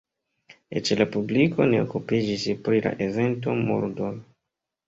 Eĉ la publiko ne okupiĝis pri la evento, murdoj.